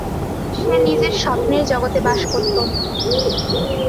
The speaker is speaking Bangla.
সে নিজের স্বপ্নের জগতে বাস করত।